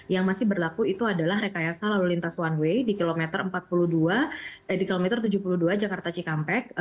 yang masih berlaku itu adalah rekayasa lalu lintas one way di kilometer tujuh puluh dua jakarta cikampek